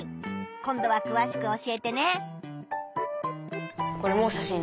今度はくわしく教えてね。